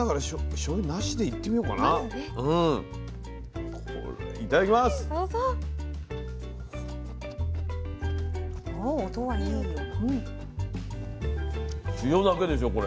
塩だけでしょこれ？